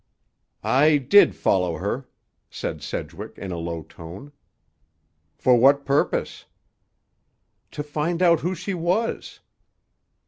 "I did follow her," said Sedgwick in a low tone. "For what purpose?" "To find out who she was."